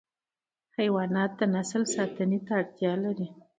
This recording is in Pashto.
حیوانات د نسل ساتنه ته اړتیا لري.